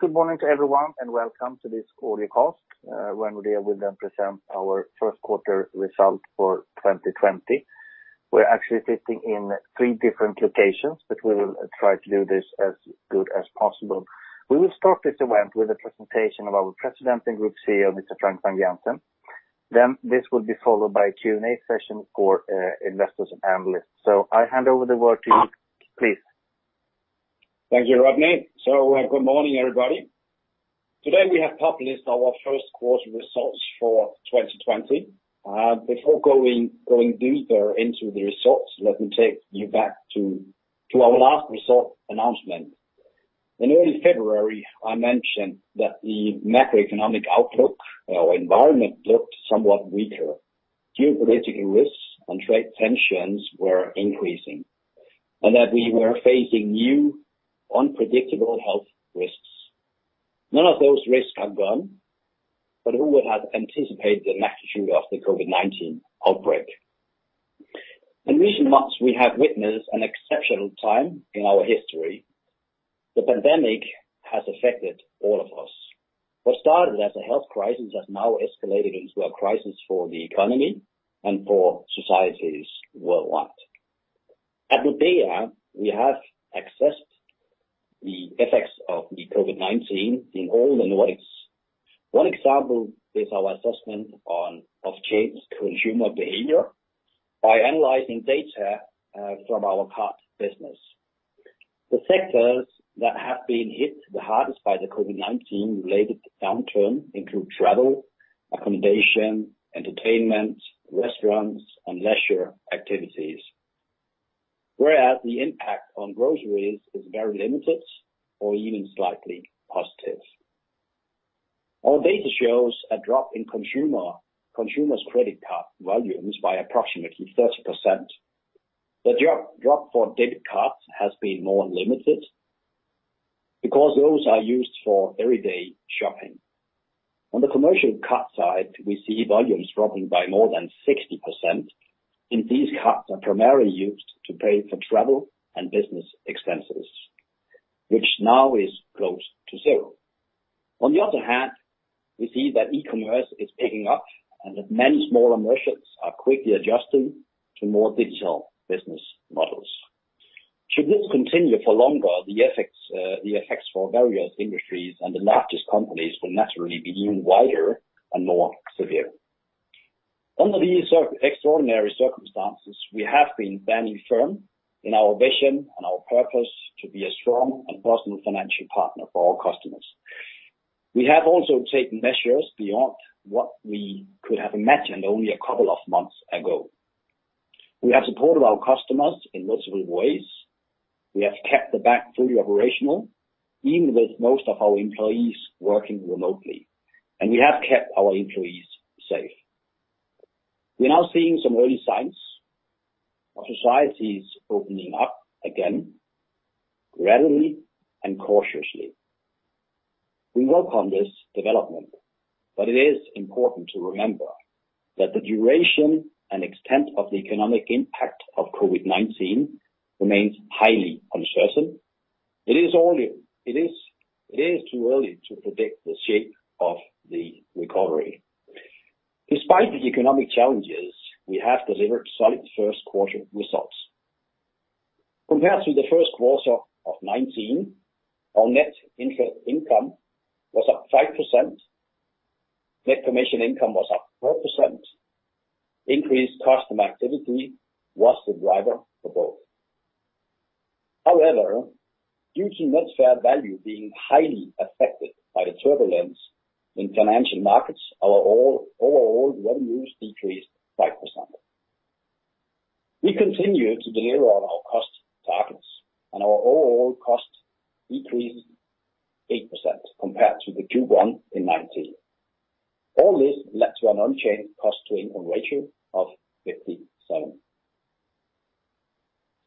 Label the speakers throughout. Speaker 1: Good morning to everyone, and welcome to this audio cast, when we will then present our first quarter result for 2020. We're actually sitting in three different locations, but we will try to do this as good as possible. We will start this event with a presentation of our President and Group CEO, Mr. Frank Vang-Jensen. This will be followed by a Q&A session for investors and analysts. I hand over the word to you, please.
Speaker 2: Thank you, Rodney. Good morning, everybody. Today, we have published our first quarter results for 2020. Before going deeper into the results, let me take you back to our last result announcement. In early February, I mentioned that the macroeconomic outlook or environment looked somewhat weaker. Geopolitical risks and trade tensions were increasing, that we were facing new unpredictable health risks. None of those risks are gone, who would have anticipated the magnitude of the COVID-19 outbreak? In recent months, we have witnessed an exceptional time in our history. The pandemic has affected all of us. What started as a health crisis has now escalated into a crisis for the economy and for societies worldwide. At Nordea, we have assessed the effects of the COVID-19 in all the Nordics. One example is our assessment of changed consumer behavior by analyzing data from our card business. The sectors that have been hit the hardest by the COVID-19 related downturn include travel, accommodation, entertainment, restaurants, and leisure activities. Whereas the impact on groceries is very limited or even slightly positive. Our data shows a drop in consumers' credit card volumes by approximately 30%. The drop for debit cards has been more limited because those are used for everyday shopping. On the commercial card side, we see volumes dropping by more than 60%, and these cards are primarily used to pay for travel and business expenses, which now is close to zero. On the other hand, we see that e-commerce is picking up and that many small merchants are quickly adjusting to more digital business models. Should this continue for longer, the effects for various industries and the largest companies will naturally be even wider and more severe. Under these extraordinary circumstances, we have been standing firm in our vision and our purpose to be a strong and personal financial partner for all customers. We have also taken measures beyond what we could have imagined only a couple of months ago. We have supported our customers in multiple ways. We have kept the bank fully operational, even with most of our employees working remotely, and we have kept our employees safe. We are now seeing some early signs of societies opening up again, gradually and cautiously. We welcome this development, it is important to remember that the duration and extent of the economic impact of COVID-19 remains highly uncertain. It is too early to predict the shape of the recovery. Despite the economic challenges, we have delivered solid first quarter results. Compared to the first quarter of 2019, our net interest income was up 5%, net commission income was up 4%. Increased customer activity was the driver for both. However, due to net fair value being highly affected by the turbulence in financial markets, our overall revenues decreased 5%. We continue to deliver on our cost targets. Our overall cost increased 8% compared to the Q1 in 2019. All this led to an unchanged cost-to-income ratio of 57.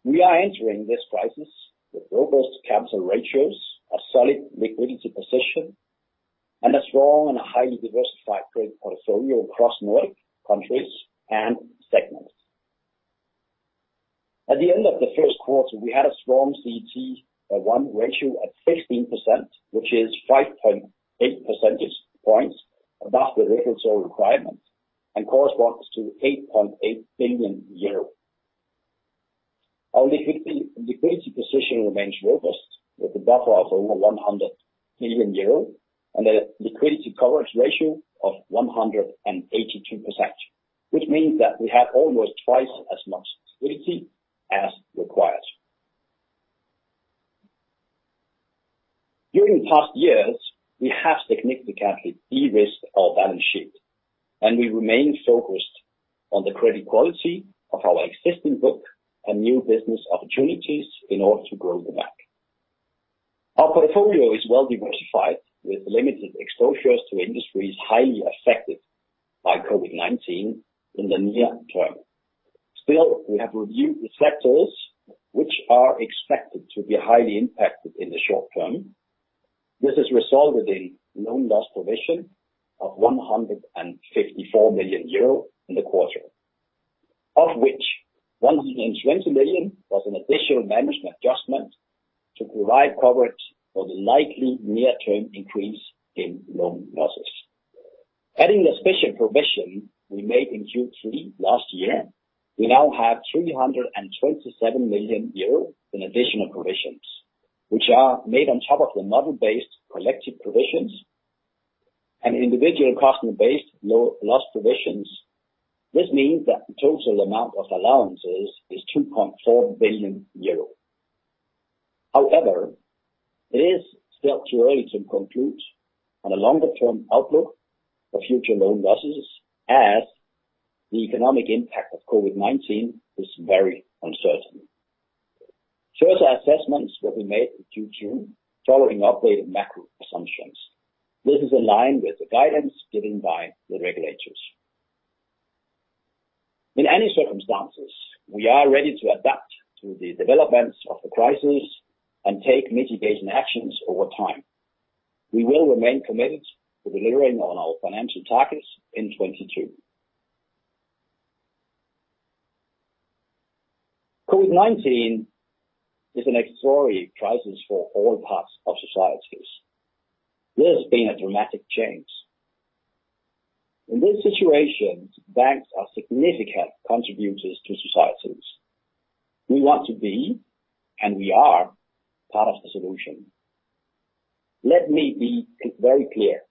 Speaker 2: We are entering this crisis with robust capital ratios, a solid liquidity position, and a strong and a highly diversified credit portfolio across Nordic countries and segments. At the end of the first quarter, we had a strong CET1 ratio at 15%, which is 5.8 percentage points above the regulatory requirement and corresponds to 8.8 billion euro. Our liquidity position remains robust with a buffer of over 100 billion euro and a liquidity coverage ratio of 182%, which means that we have almost twice as much liquidity as required. During past years, we have significantly de-risked our balance sheet. We remain focused on the credit quality of our existing book and new business opportunities in order to grow the bank. Our portfolio is well diversified with limited exposures to industries highly affected by COVID-19 in the near term. We have reviewed the sectors which are expected to be highly impacted in the short term. This is resolved with a loan loss provision of 154 million euro in the quarter, of which 120 million was an additional management adjustment to provide coverage for the likely near-term increase in loan losses. Adding the special provision we made in Q3 last year, we now have 327 million euros in additional provisions, which are made on top of the model-based collective provisions and individual customer-based loan loss provisions. This means that the total amount of allowances is 2.4 billion euro. It is still too early to conclude on a longer-term outlook of future loan losses as the economic impact of COVID-19 is very uncertain. Further assessments will be made in Q2 following updated macro assumptions. This is aligned with the guidance given by the regulators. In any circumstances, we are ready to adapt to the developments of the crisis and take mitigation actions over time. We will remain committed to delivering on our financial targets in 2022. COVID-19 is an extraordinary crisis for all parts of societies. There has been a dramatic change. In this situation, banks are significant contributors to societies. We want to be, and we are, part of the solution. Let me be very clear.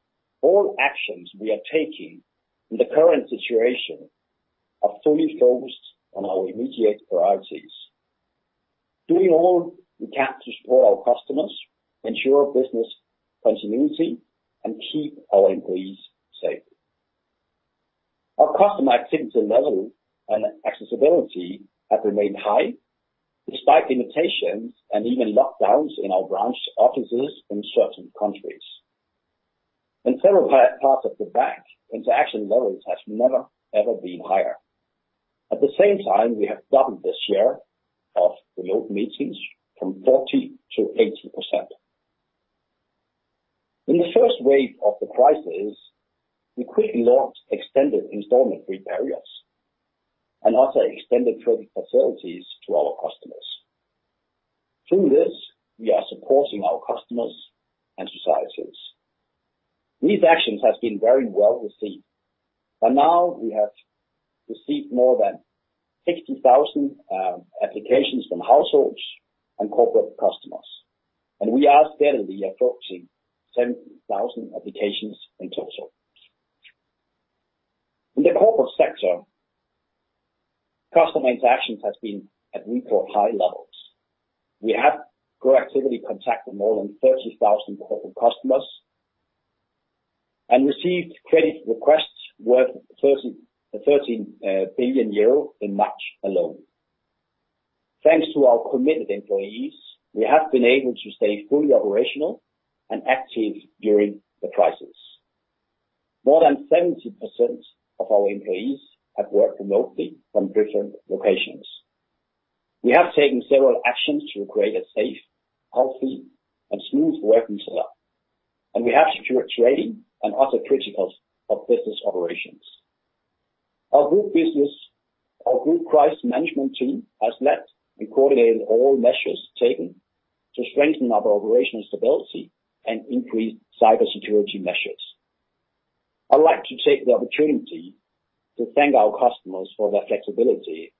Speaker 2: All actions we are taking in the current situation are fully focused on our immediate priorities. Doing all we can to support our customers, ensure business continuity, and keep our employees safe. Our customer activity level and accessibility have remained high despite limitations and even lockdowns in our branch offices in certain countries. In several parts of the bank, transaction levels have never, ever been higher. At the same time, we have doubled the share of remote meetings from 40%-80%. In the first wave of the crisis, we quickly launched extended installment free periods and also extended credit facilities to our customers. Through this, we are supporting our customers and societies. These actions have been very well received. By now we have received more than 60,000 applications from households and corporate customers, and we are steadily approaching 70,000 applications in total. In the corporate sector, customer transactions has been at record high levels. We have proactively contacted more than 30,000 corporate customers and received credit requests worth 13 billion euro in March alone. Thanks to our committed employees, we have been able to stay fully operational and active during the crisis. More than 70% of our employees have worked remotely from different locations. We have taken several actions to create a safe, healthy, and smooth working setup, and we have secured trading and other critical business operations. Our group crisis management team has led and coordinated all measures taken to strengthen our operational stability and increase cybersecurity measures. I would like to take the opportunity to thank our customers for their flexibility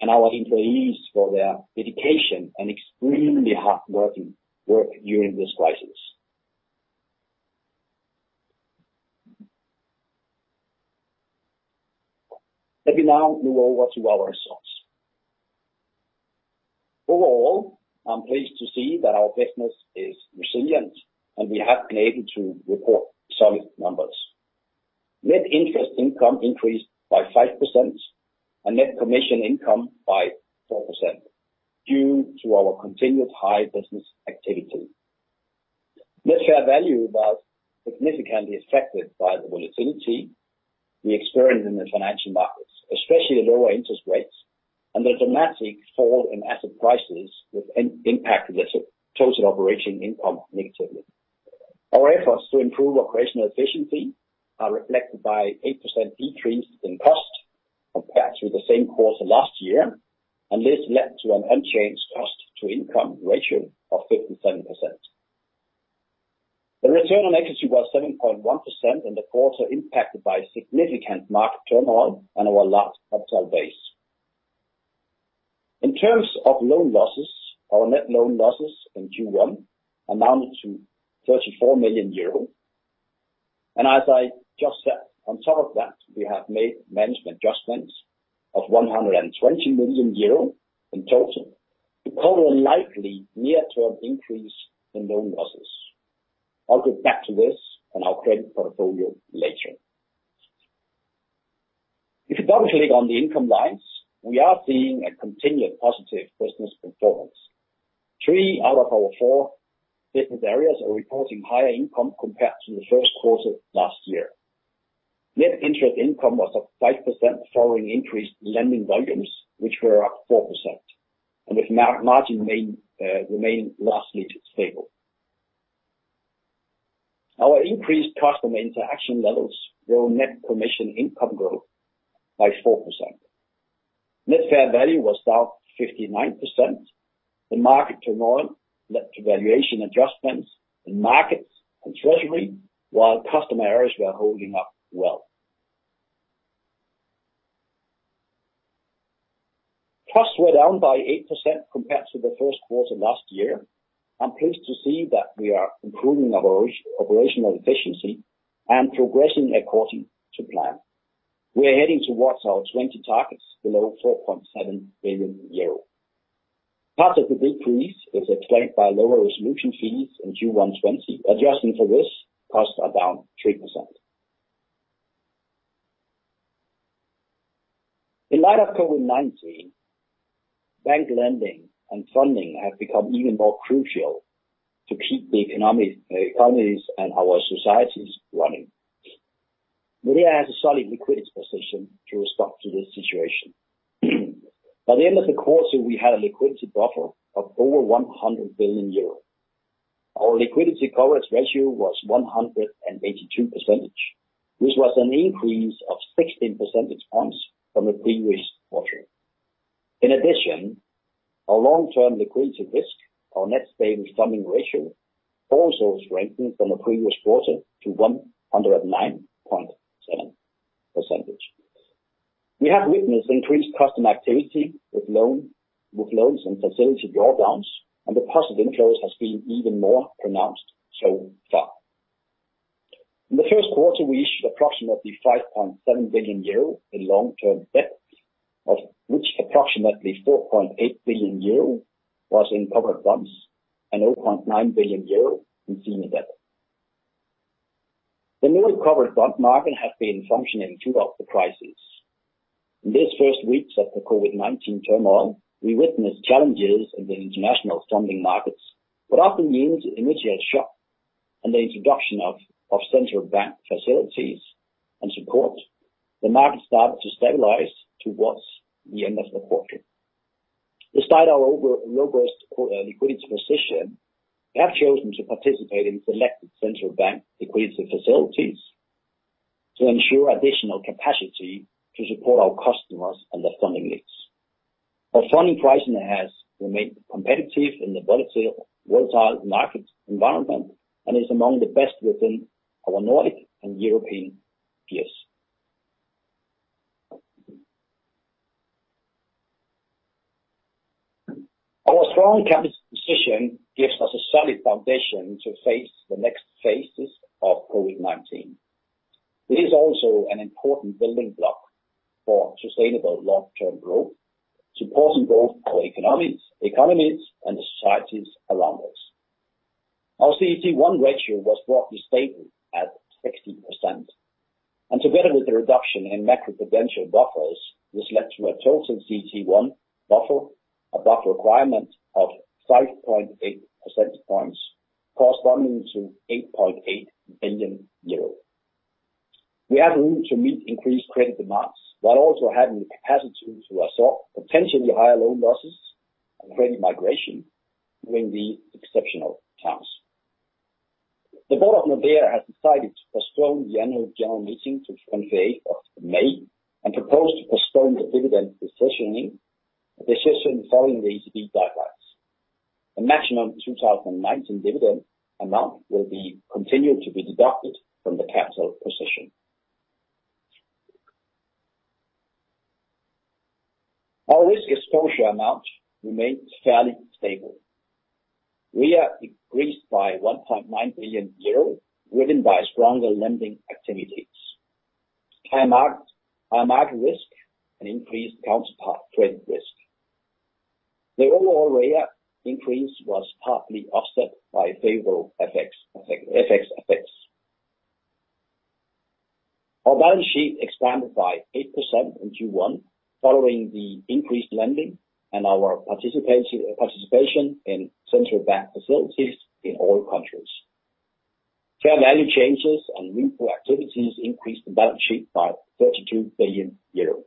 Speaker 2: and our employees for their dedication and extremely hard work during this crisis. Let me now move over to our results. Overall, I'm pleased to see that our business is resilient, and we have been able to report solid numbers. Net interest income increased by 5% and net commission income by 4% due to our continued high business activity. Net fair value was significantly affected by the volatility we experienced in the financial markets, especially the lower interest rates, and the dramatic fall in asset prices which impacted the total operating income negatively. Our efforts to improve operational efficiency are reflected by 8% decrease in cost compared to the same quarter last year, and this led to an unchanged cost-to-income ratio of 57%. The return on equity was 7.1% in the quarter impacted by significant market turnover and our large capital base. In terms of loan losses, our net loan losses in Q1 amounted to 34 million euros. As I just said, on top of that, we have made management adjustments of 120 million euros in total to cover a likely near-term increase in loan losses. I'll get back to this and our credit portfolio later. If you double-click on the income lines, we are seeing a continued positive business performance. Three out of our four business areas are reporting higher income compared to the first quarter last year. Net interest income was up 5% following increased lending volumes, which were up 4%, and with net margin remaining largely stable. Our increased customer interaction levels grew net commission income growth by 4%. Net fair value was down 59%. The market turmoil led to valuation adjustments in Markets and Treasury, while customer areas were holding up well. Costs were down by 8% compared to the first quarter last year. I'm pleased to see that we are improving our operational efficiency and progressing according to plan. We are heading towards our 2020 targets below 4.7 billion euro. Part of the big decrease is explained by lower resolution fees in Q1 2020. Adjusting for this, costs are down 3%. In light of COVID-19, bank lending and funding have become even more crucial to keep the economies and our societies running. Nordea has a solid liquidity position to respond to this situation. By the end of the quarter, we had a liquidity buffer of over 100 billion euros. Our Liquidity Coverage Ratio was 182%, which was an increase of 16 percentage points from the previous quarter. In addition, our long-term liquidity risk, our Net Stable Funding Ratio also strengthened from the previous quarter to 109.7%. We have witnessed increased customer activity with loans and facility drawdowns, and the positive inflows has been even more pronounced so far. In the first quarter, we issued approximately 5.7 billion euro in long-term debt, of which approximately 4.8 billion euro was in covered bonds and 0.9 billion euro in senior debt. The Nordic covered bond market has been functioning throughout the crisis. In these first weeks of the COVID-19 turmoil, we witnessed challenges in the international funding markets. After news initial shock, and the introduction of central bank facilities and support, the market started to stabilize towards the end of the quarter. Beside our robust liquidity position, we have chosen to participate in selected central bank liquidity facilities to ensure additional capacity to support our customers and their funding needs. Our funding pricing has remained competitive in the volatile market environment and is among the best within our Nordic and European peers. Our strong capital position gives us a solid foundation to face the next phases of COVID-19. It is also an important building block for sustainable long-term growth, supporting both our economies, and the societies around us. Our CET1 ratio was broadly stable at 60%. Together with the reduction in macro-prudential buffers, this led to a total CET1 buffer above requirement of 5.8 percentage points corresponding to 8.8 billion euro. We have room to meet increased credit demands while also having the capacity to absorb potentially higher loan losses and credit migration during these exceptional times. The Board of Nordea has decided to postpone the Annual General Meeting to 28th of May, and propose to postpone the dividend decision following the ECB guidelines. The maximum 2019 dividend amount will be continued to be deducted from the capital position. Our Risk Exposure Amount remained fairly stable. We are increased by 1.9 billion euros, driven by stronger lending activities, high market risk, and increased counterpart credit risk. The overall rate increase was partly offset by favorable FX effects. Our balance sheet expanded by 8% in Q1 following the increased lending and our participation in central bank facilities in all countries. Fair value changes and repo activities increased the balance sheet by 32 billion euros.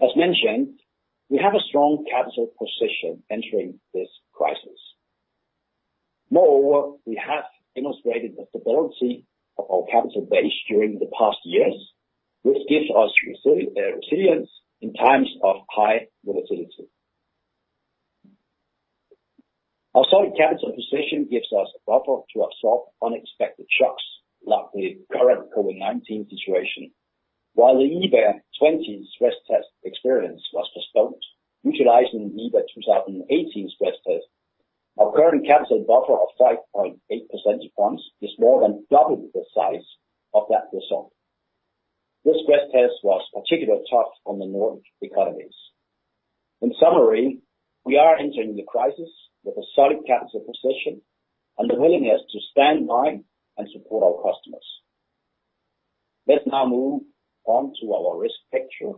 Speaker 2: As mentioned, we have a strong capital position entering this crisis. Moreover, we have demonstrated the stability of our capital base during the past years, which gives us resilience in times of high volatility. Our solid capital position gives us a buffer to absorb unexpected shocks like the current COVID-19 situation. While the EBA 2020 stress test experience was postponed, utilizing EBA 2018 stress test, our current capital buffer of 5.8 percentage points is more than double the size of that result. This stress test was particularly tough on the Nordic economies. In summary, we are entering the crisis with a solid capital position and the willingness to stand by and support our customers. Let's now move on to our risk picture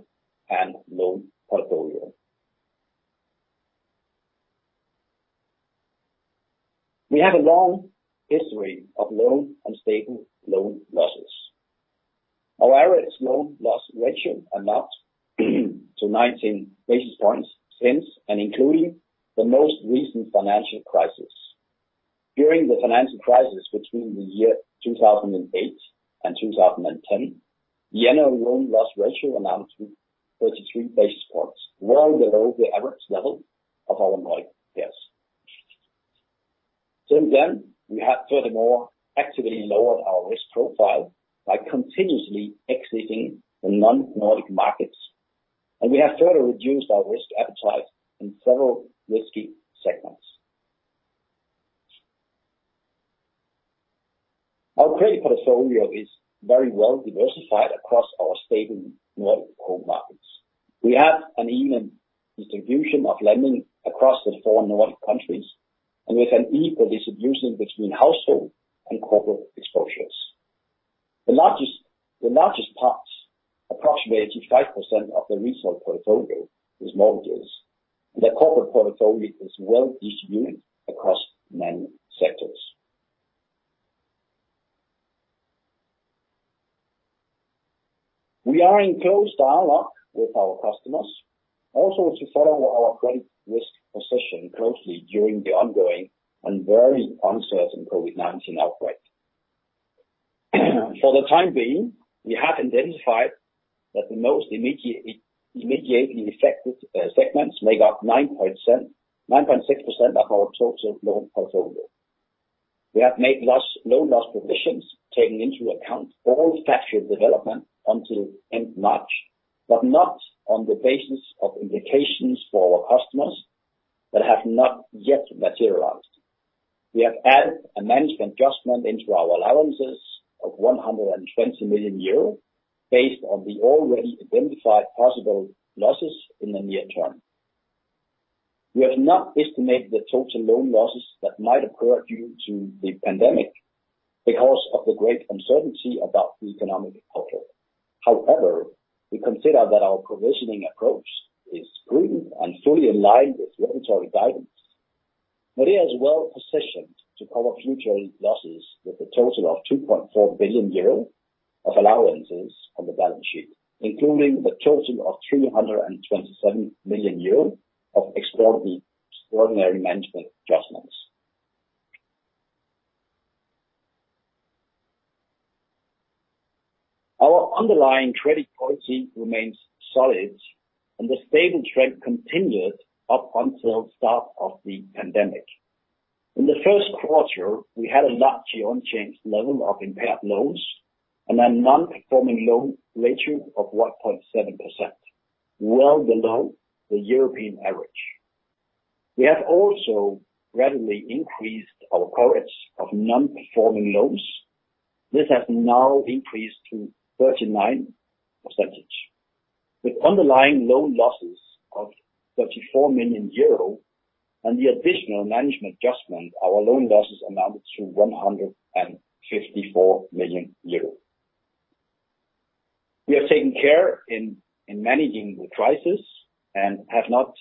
Speaker 2: and loan portfolio. We have a long history of low and stable loan losses. Our average loan loss ratio amounts to 19 basis points since and including the most recent financial crisis. During the financial crisis between the year 2008 and 2010, the annual loan loss ratio amounted to 33 basis points, well below the average level of our Nordic peers. Since then, we have furthermore actively lowered our risk profile by continuously exiting the non-Nordic markets, and we have further reduced our risk appetite in several risky segments. Our credit portfolio is very well diversified across our stable Nordic home markets. We have an even distribution of lending across the four Nordic countries, and with an equal distribution between household and corporate exposures. The largest part, approximately 85% of the retail portfolio, is mortgages, and the corporate portfolio is well distributed across many sectors. We are in close dialogue with our customers, also to follow our credit risk position closely during the ongoing and very uncertain COVID-19 outbreak. For the time being, we have identified that the most immediately affected segments make up 9.6% of our total loan portfolio. We have made loan loss provisions, taking into account all factual development until end March, not on the basis of indications for our customers that have not yet materialized. We have added a management adjustment into our allowances of 120 million euros based on the already identified possible losses in the near term. We have not estimated the total loan losses that might occur due to the pandemic because of the great uncertainty about the economic outlook. We consider that our provisioning approach is prudent and fully aligned with regulatory guidance. Nordea is well-positioned to cover future losses with a total of 2.4 billion euro of allowances on the balance sheet, including the total of 327 million euro of extraordinary management adjustments. Our underlying credit quality remains solid, the stable trend continued up until start of the pandemic. In the first quarter, we had a largely unchanged level of impaired loans and a non-performing loan ratio of 1.7%, well below the European average. We have also readily increased our coverage of non-performing loans. This has now increased to 39%. With underlying loan losses of 34 million euro and the additional management adjustment, our loan losses amounted to 154 million euro. We are taking care in managing the crisis and have not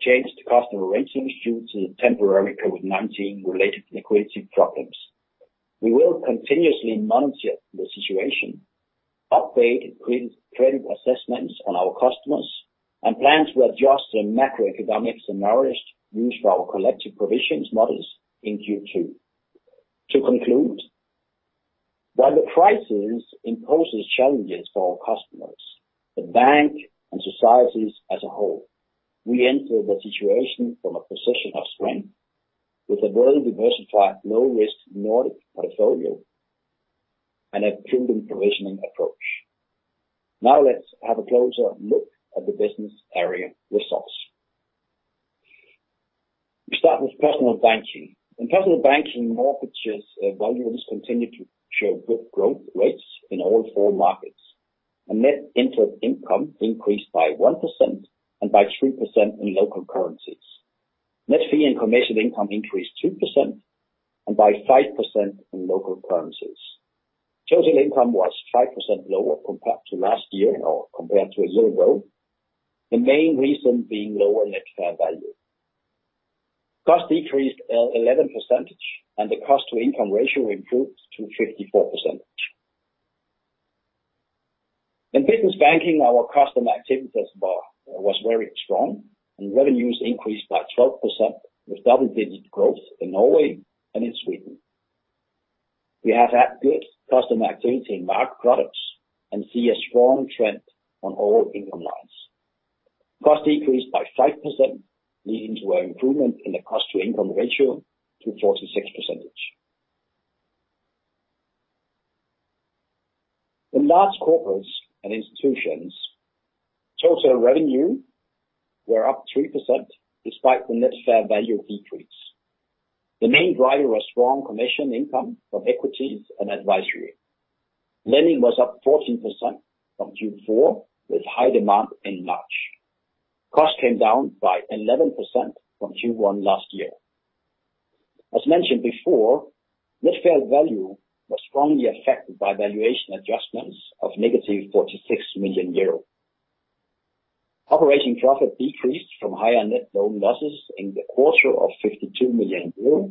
Speaker 2: changed customer ratings due to temporary COVID-19-related liquidity problems. We will continuously monitor the situation, update credit assessments on our customers, and plan to adjust the macroeconomics scenarios used for our collective provisions models in Q2. To conclude, while the crisis imposes challenges for our customers, the bank, and societies as a whole, we enter the situation from a position of strength with a well-diversified low-risk Nordic portfolio and a prudent provisioning approach. Let's have a closer look at the business area results. We start with Personal Banking. In Personal Banking, mortgages volumes continued to show good growth rates in all four markets, and net interest income increased by 1% and by 3% in local currencies. Net fee and commission income increased 2% and by 5% in local currencies. Total income was 5% lower compared to last year or compared to a year ago, the main reason being lower net fair value. Cost decreased 11%, and the cost-to-income ratio improved to 54%. In Business Banking, our customer activity was very strong, and revenues increased by 12% with double-digit growth in Norway and in Sweden. We have had good customer activity in market products and see a strong trend on all income lines. Cost decreased by 5%, leading to an improvement in the cost-to-income ratio to 46%. In Large Corporates and Institutions, total revenue were up 3% despite the net fair value decrease. The main driver was strong commission income from equities and advisory. Lending was up 14% from Q4, with high demand in March. Cost came down by 11% from Q1 last year. As mentioned before, net fair value was strongly affected by valuation adjustments of negative 46 million euros. Operating profit decreased from higher net loan losses in the quarter of 52 million euro,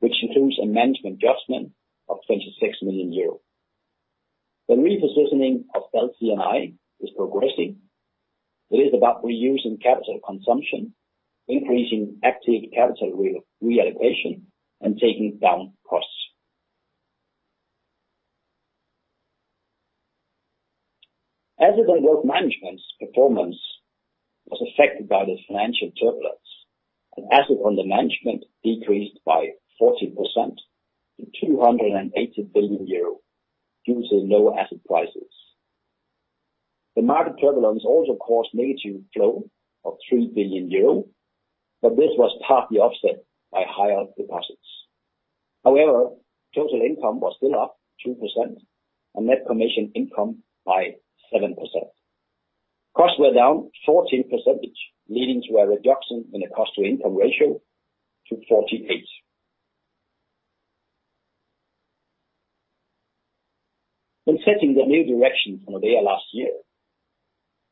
Speaker 2: which includes a management adjustment of 26 million euro. The repositioning of LC&I is progressing. It is about reducing capital consumption, increasing active capital reallocation, and taking down costs. Asset & Wealth Management's performance was affected by the financial turbulence, and assets under management decreased by 14% to 280 billion euro due to low asset prices. The market turbulence also caused negative flow of 3 billion euro, this was partly offset by higher deposits. However, total income was still up 2% and net commission income by 7%. Costs were down 14%, leading to a reduction in the cost-to-income ratio to 48. When setting the new direction for Nordea last year,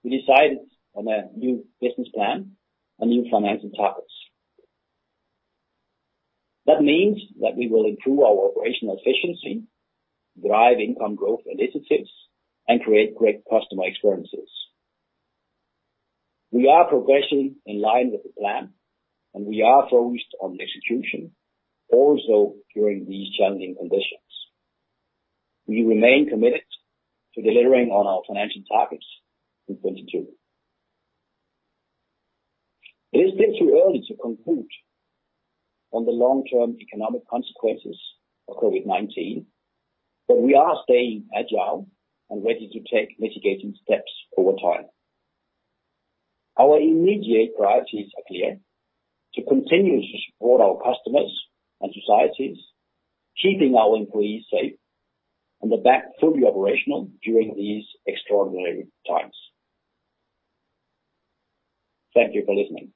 Speaker 2: we decided on a new business plan and new financial targets. That means that we will improve our operational efficiency, drive income growth initiatives, and create great customer experiences. We are progressing in line with the plan, and we are focused on execution, also during these challenging conditions. We remain committed to delivering on our financial targets in 2022. It is a bit too early to conclude on the long-term economic consequences of COVID-19, but we are staying agile and ready to take mitigating steps over time. Our immediate priorities are clear, to continue to support our customers and societies, keeping our employees safe, and the bank fully operational during these extraordinary times. Thank you for listening.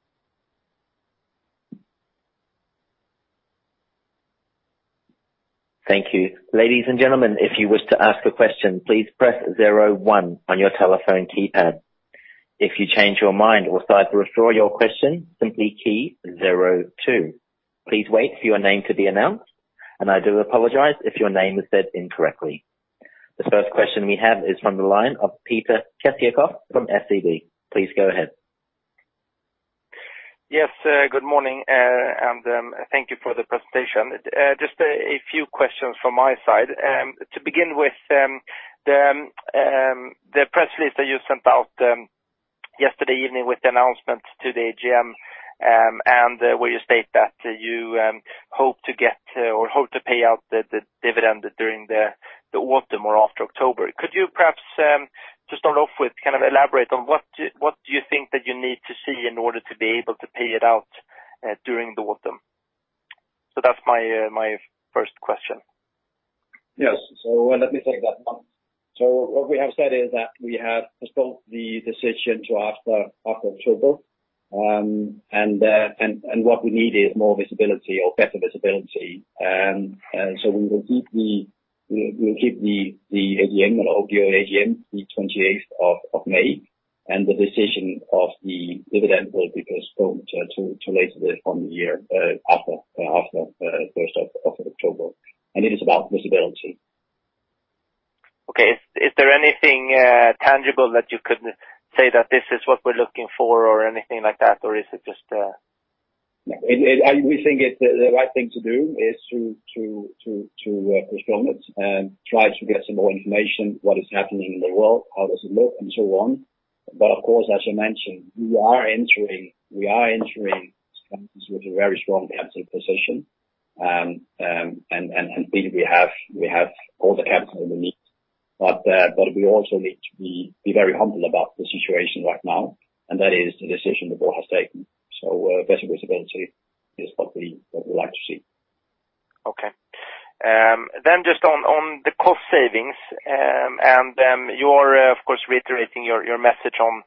Speaker 3: Thank you. Ladies and gentlemen, if you wish to ask a question, please press zero one on your telephone keypad. If you change your mind or start to withdraw your question, simply key zero two. Please wait for your name to be announced, and I do apologize if your name is said incorrectly. The first question we have is from the line of Peter Kessiakoff from SEB. Please go ahead.
Speaker 4: Yes, good morning. Thank you for the presentation. Just a few questions from my side. To begin with, the press release that you sent out yesterday evening with the announcement to the AGM, and where you state that you hope to get or hope to pay out the dividend during the autumn or after October. Could you perhaps, to start off with, elaborate on what do you think that you need to see in order to be able to pay it out during the autumn? That's my first question.
Speaker 2: Yes. Let me take that one. What we have said is that we have postponed the decision to after October, and what we need is more visibility or better visibility. We will keep the AGM, the annual AGM, the 28th of May, and the decision of the dividend will be postponed to later on in the year, after 1st of October. It is about visibility.
Speaker 4: Okay. Is there anything tangible that you could say that this is what we're looking for or anything like that? Is it just?
Speaker 2: We think the right thing to do is to postpone it and try to get some more information, what is happening in the world, how does it look, and so on. Of course, as you mentioned, we are entering this with a very strong capital position. We have all the capital we need. We also need to be very humble about the situation right now, and that is the decision the board has taken. Better visibility is what we would like to see.
Speaker 4: Okay. Just on the cost savings, and you're, of course, reiterating your message on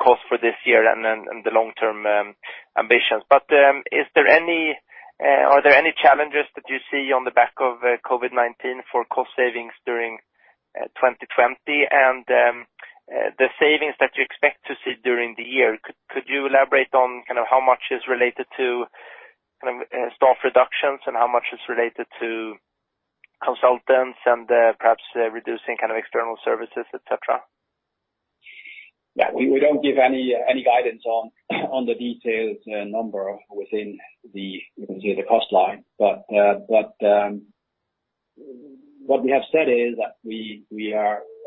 Speaker 4: cost for this year and the long-term ambitions. Are there any challenges that you see on the back of COVID-19 for cost savings during 2020? The savings that you expect to see during the year, could you elaborate on how much is related to staff reductions and how much is related to consultants and perhaps reducing external services, et cetera?
Speaker 2: Yeah. We don't give any guidance on the detailed number within the cost line. What we have said is that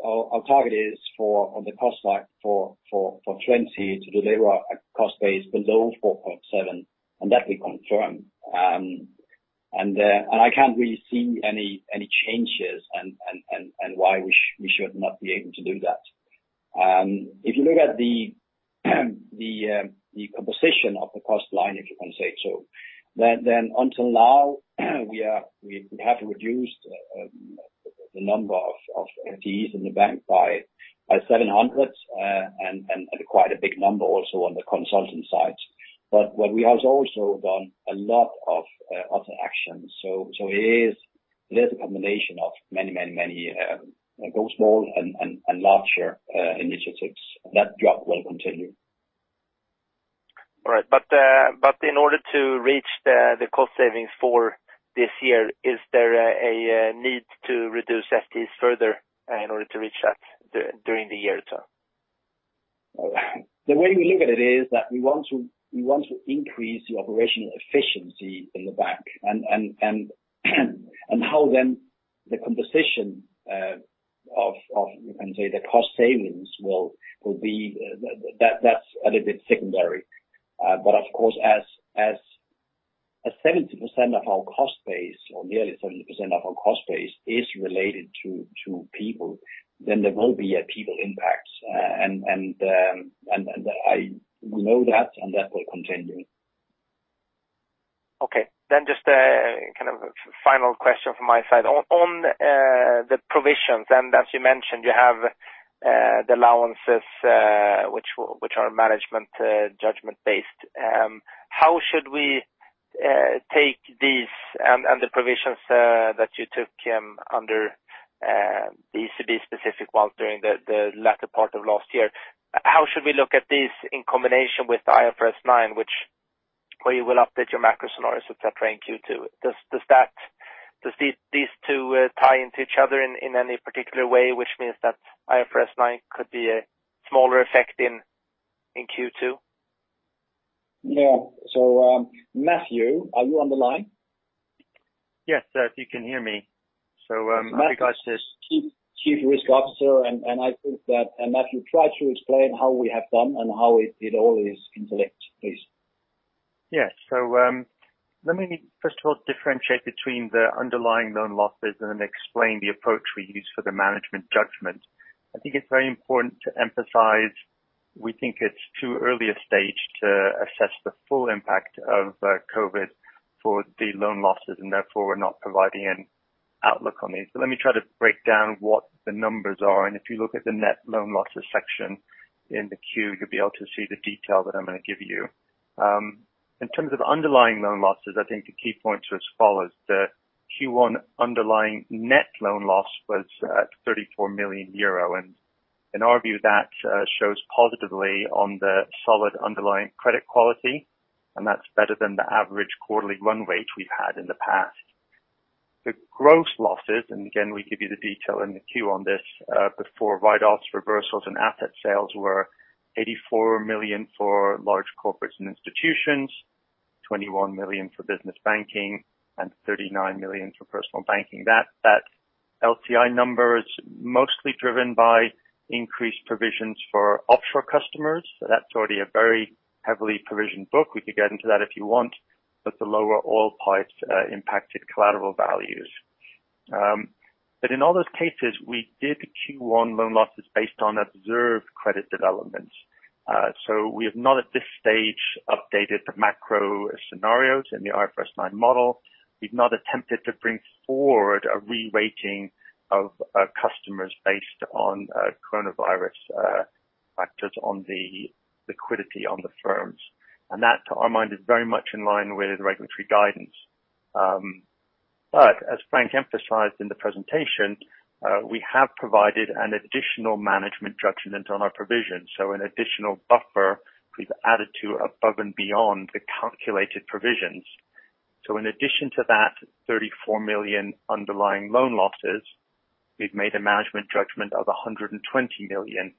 Speaker 2: our target is for the cost line for 2020 to deliver a cost base below 4.7, and that we confirm. I can't really see any changes and why we should not be able to do that. If you look at the composition of the cost line, if you can say so, until now, we have reduced the number of FTEs in the bank by 700, and quite a big number also on the consultant side. What we have also done a lot of other actions. It is less a combination of many, both small and larger initiatives. That drop will continue.
Speaker 4: All right. In order to reach the cost savings for this year, is there a need to reduce FTEs further in order to reach that during the year term?
Speaker 2: The way we look at it is that we want to increase the operational efficiency in the bank and how then the conversation of, you can say the cost savings will be, that's a little bit secondary. Of course, as 70% of our cost base or nearly 70% of our cost base is related to people, then there will be a people impact. We know that, and that will continue.
Speaker 4: Okay. Just kind of a final question from my side. On the provisions, and as you mentioned, you have the allowances, which are management judgment-based. How should we take these and the provisions that you took under the ECB specific ones during the latter part of last year? How should we look at this in combination with IFRS 9, where you will update your macro scenarios, et cetera, in Q2? Does these two tie into each other in any particular way, which means that IFRS 9 could be a smaller effect in Q2?
Speaker 2: Yeah. Matthew, are you on the line?
Speaker 5: Yes, sir. If you can hear me.
Speaker 2: Matthew, Chief Risk Officer, I think that Matthew try to explain how we have done and how it all is interlinked, please.
Speaker 5: Yeah. Let me first of all differentiate between the underlying loan losses and then explain the approach we use for the management judgment. I think it's very important to emphasize, we think it's too early a stage to assess the full impact of COVID for the loan losses, and therefore we're not providing an outlook on these. Let me try to break down what the numbers are, and if you look at the net loan losses section in the quarter you'll be able to see the detail that I'm going to give you. In terms of underlying loan losses, I think the key points are as follows. The Q1 underlying net loan loss was at 34 million euro. In our view that shows positively on the solid underlying credit quality, and that's better than the average quarterly run rate we've had in the past. The gross losses, again, we give you the detail in the quarter on this, but for write-offs, reversals, and asset sales were 84 million for Large Corporates & Institutions, 21 million for Business Banking, and 39 million for Personal Banking. That LC&I number is mostly driven by increased provisions for offshore customers. That's already a very heavily provisioned book. We could get into that if you want, but the lower oil price impacted collateral values. In all those cases, we did Q1 loan losses based on observed credit developments. We have not at this stage updated the macro scenarios in the IFRS 9 model. We've not attempted to bring forward a re-rating of customers based on coronavirus factors on the liquidity on the firms. That to our mind is very much in line with regulatory guidance. As Frank emphasized in the presentation, we have provided an additional management judgment on our provisions. An additional buffer we've added to above and beyond the calculated provisions. In addition to that 34 million underlying loan losses, we've made a management judgment of 120 million,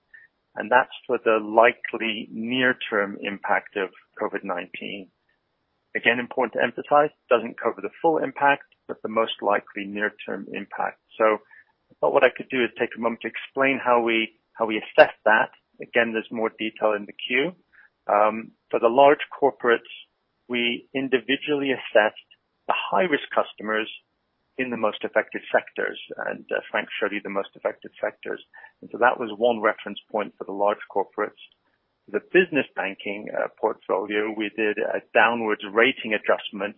Speaker 5: and that's for the likely near term impact of COVID-19. Again, important to emphasize, doesn't cover the full impact, but the most likely near term impact. What I could do is take a moment to explain how we assess that. Again, there's more detail in the Q. For the large corporates, we individually assessed the high risk customers in the most affected sectors, and Frank showed you the most affected sectors. That was one reference point for the large corporates. The Business Banking portfolio, we did a downwards rating adjustment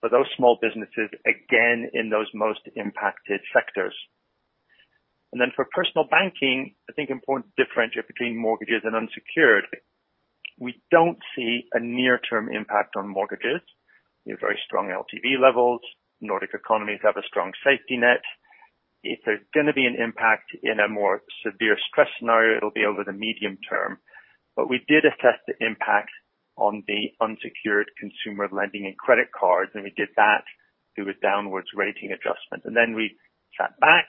Speaker 5: for those small businesses, again, in those most impacted sectors. For Personal Banking, I think important to differentiate between mortgages and unsecured. We don't see a near term impact on mortgages. We have very strong LTV levels. Nordic economies have a strong safety net. If there's going to be an impact in a more severe stress scenario, it'll be over the medium term. We did assess the impact on the unsecured consumer lending and credit cards, and we did that through a downwards rating adjustment. We sat back,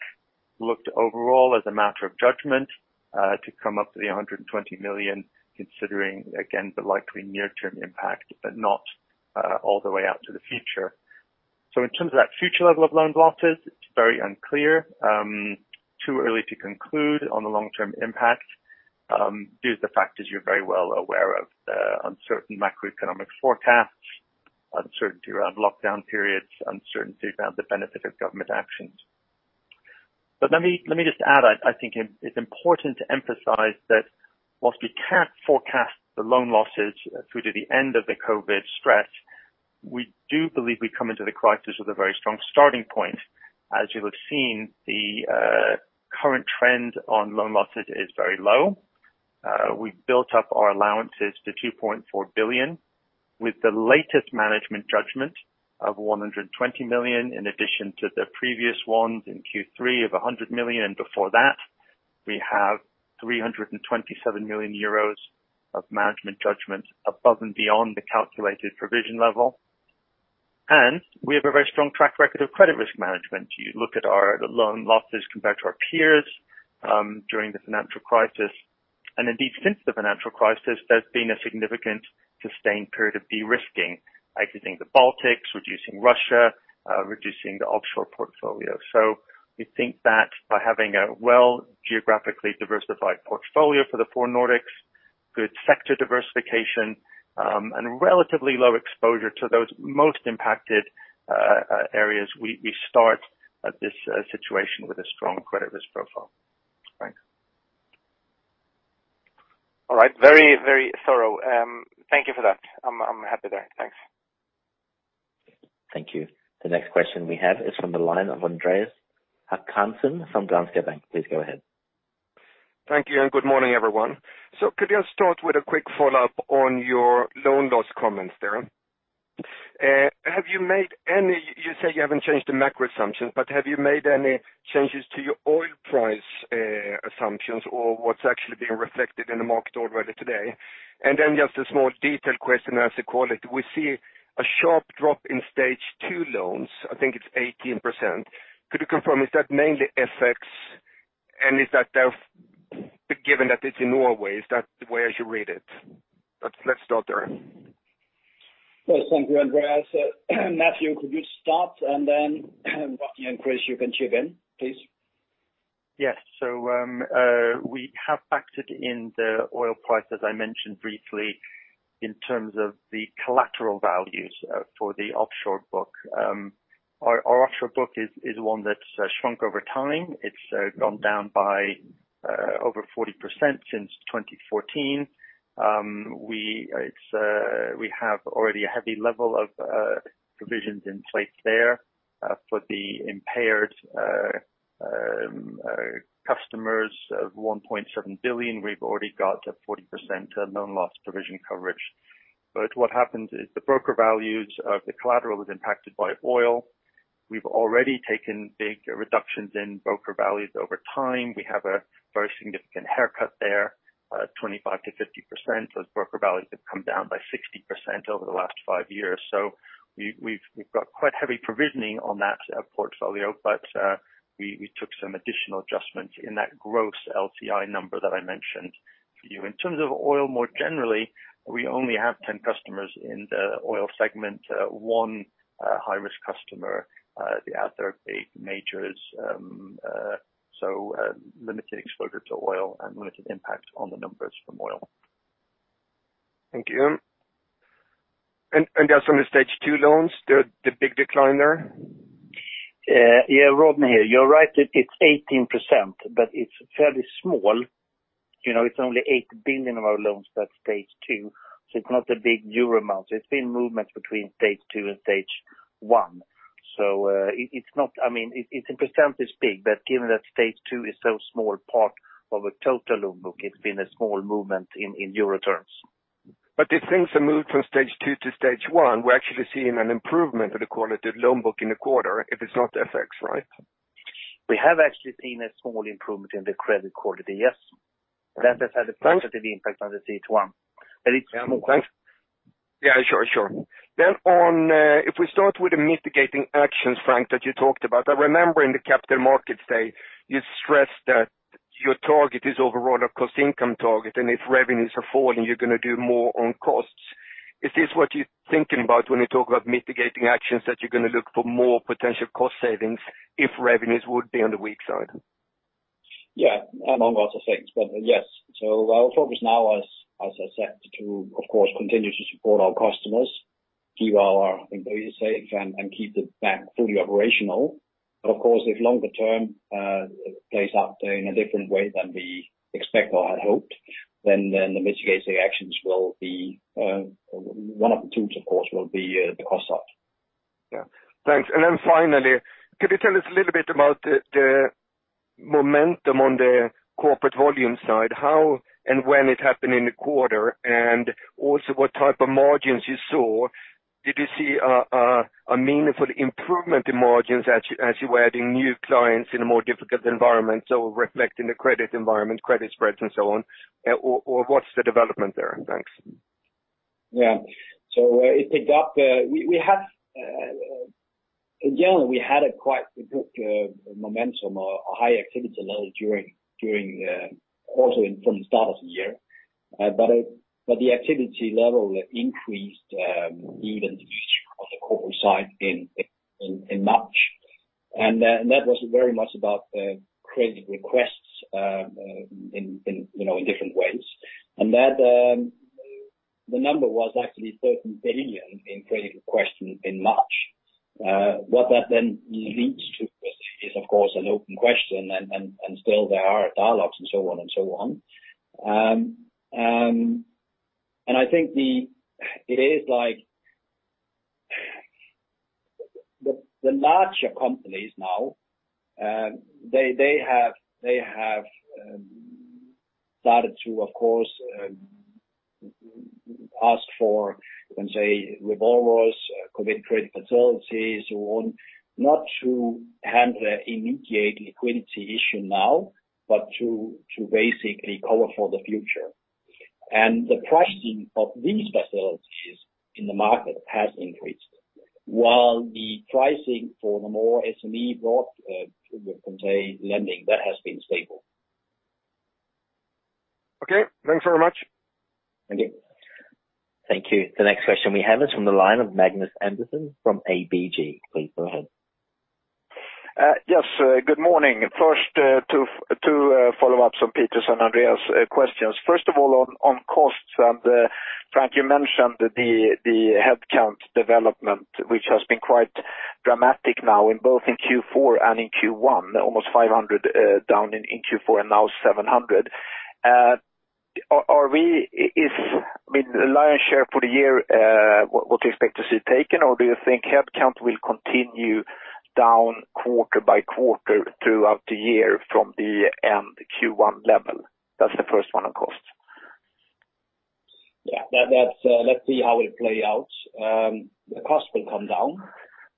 Speaker 5: looked overall as a matter of judgment, to come up to the 120 million, considering again, the likely near term impact, but not all the way out to the future. In terms of that future level of loan losses, it's very unclear, too early to conclude on the long-term impact, due to the factors you're very well aware of, uncertain macroeconomic forecasts, uncertainty around lockdown periods, uncertainty around the benefit of government actions. Let me just add, I think it's important to emphasize that whilst we can't forecast the loan losses through to the end of the COVID stress, we do believe we come into the crisis with a very strong starting point. As you would've seen, the current trend on loan losses is very low. We've built up our allowances to 2.4 billion with the latest management judgment of 120 million in addition to the previous ones in Q3 of 100 million. Before that, we have 327 million euros of management judgments above and beyond the calculated provision level. We have a very strong track record of credit risk management. You look at our loan losses compared to our peers during the financial crisis. Indeed, since the financial crisis, there's been a significant sustained period of de-risking. Exiting the Baltics, reducing Russia, reducing the offshore portfolio. We think that by having a well geographically diversified portfolio for the four Nordics, good sector diversification, and relatively low exposure to those most impacted areas, we start this situation with a strong credit risk profile. Thanks.
Speaker 4: All right. Very thorough. Thank you for that. I'm happy there. Thanks.
Speaker 3: Thank you. The next question we have is from the line of Andreas Håkansson from Danske Bank. Please go ahead.
Speaker 6: Thank you. Good morning, everyone. Could we just start with a quick follow-up on your loan loss comments there? You say you haven't changed the macro assumptions, but have you made any changes to your oil price assumptions or what's actually being reflected in the market already today? Just a small detailed question as to quality. We see a sharp drop in Stage 2 loans. I think it's 18%. Could you confirm, is that mainly FX? Given that it's in Norway, is that the way I should read it? Let's start there.
Speaker 2: Thank you, Andreas. Matthew, could you start and then Rodney and Chris, you can chip in, please.
Speaker 5: We have factored in the oil price, as I mentioned briefly, in terms of the collateral values for the offshore book. Our offshore book is one that's shrunk over time. It's gone down by over 40% since 2014. We have already a heavy level of provisions in place there for the impaired customers of 1.7 billion. We've already got a 40% loan loss provision coverage. What happens is the broker values of the collateral is impacted by oil. We've already taken big reductions in broker values over time. We have a very significant haircut there, 25%-50%. Those broker values have come down by 60% over the last five years. We've got quite heavy provisioning on that portfolio. We took some additional adjustments in that gross LC&I number that I mentioned to you. In terms of oil more generally, we only have 10 customers in the oil segment. One high-risk customer, the other eight majors. Limited exposure to oil and limited impact on the numbers from oil.
Speaker 6: Thank you. Just on the Stage 2 loans, the big decline there?
Speaker 1: Yeah. Rodney here. You're right, it's 18%, but it's fairly small. It's only 8 billion of our loans that's Stage 2, so it's not a big EUR amount. It's been movements between Stage 2 and Stage 1. It's in percentage big, but given that Stage 2 is so small part of a total loan book, it's been a small movement in EUR terms.
Speaker 6: If things have moved from Stage 2 to Stage 1, we're actually seeing an improvement of the quality of loan book in the quarter if it's not FX, right?
Speaker 1: We have actually seen a small improvement in the credit quality, yes. That has had a positive impact on the Stage 1, but it's small.
Speaker 6: Yeah. Thanks. Yeah, sure. If we start with the mitigating actions, Frank, that you talked about. I remember in the Capital Markets Day, you stressed that your target is overall a cost-to-income target, and if revenues are falling, you're going to do more on costs. Is this what you're thinking about when you talk about mitigating actions, that you're going to look for more potential cost savings if revenues would be on the weak side?
Speaker 2: Yeah. Among lots of things, but yes. Our focus now is, as I said, to, of course, continue to support our customers, keep our employees safe, and keep the bank fully operational. Of course, if longer term plays out in a different way than we expect or had hoped, then the mitigating actions will be, one of the tools of course, will be the cost cut.
Speaker 6: Yeah. Thanks. Finally, could you tell us a little bit about the momentum on the corporate volume side, how and when it happened in the quarter? What type of margins you saw. Did you see a meaningful improvement in margins as you were adding new clients in a more difficult environment, so reflecting the credit environment, credit spreads and so on? What's the development there? Thanks.
Speaker 2: Yeah. In general, we had a quite good momentum or a high activity level during also from the start of the year. The activity level increased even on the corporate side in March. That was very much about credit requests in different ways. The number was actually 13 billion in credit requests in March. What that then leads to is, of course, an open question, and still there are dialogues and so on. I think it is like the larger companies now, they have started to, of course, ask for, you can say revolver, committed credit facilities, or not to handle the immediate liquidity issue now, but to basically cover for the future. The pricing of these facilities in the market has increased, while the pricing for the more SME broad, you could say, lending, that has been stable.
Speaker 6: Okay. Thanks very much.
Speaker 2: Thank you.
Speaker 3: Thank you. The next question we have is from the line of Magnus Andersson from ABG. Please go ahead.
Speaker 7: Yes. Good morning. First two follow-ups on Peter's and Andreas' questions. First of all on costs. Frank, you mentioned the headcount development, which has been quite dramatic now in both in Q4 and in Q1, almost 500 down in Q4 and now 700. With the lion's share for the year, what do you expect to see taken, or do you think headcount will continue down quarter-by-quarter throughout the year from the Q1 level? That's the first one on cost.
Speaker 2: Yeah. Let's see how it play out. The cost will come down.